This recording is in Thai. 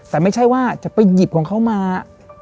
แต่ไม่ใช่ว่าจะไปหยิบของเขามา